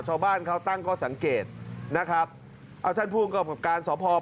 ชาวบ้านเขาตั้งข้อสังเกตนะครับเอาท่านภูมิกับการสอบพอ